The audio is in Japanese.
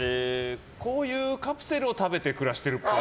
こういうカプセルを食べて暮らしてるっぽい。